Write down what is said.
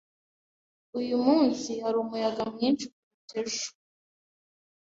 Uyu munsi hari umuyaga mwinshi kuruta ejo. (kebukebu)